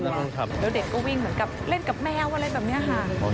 แล้วเด็กก็วิ่งเหมือนกับเล่นกับแมวอะไรแบบนี้ค่ะ